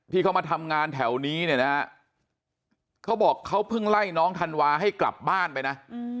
ที่เขามาทำงานแถวนี้เนี่ยนะฮะเขาบอกเขาเพิ่งไล่น้องธันวาให้กลับบ้านไปนะ